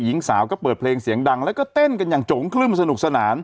หญิงสาวก็เปิดเพลงเสียงดังแล้วก็เต้นกันอย่างโจงคลึ่มสนุกสนาน